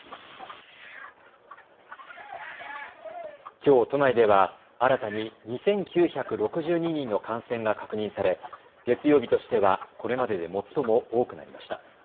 きょう都内では新たに２９６２人の感染が確認され月曜日としてはこれまでで最も多くなりました。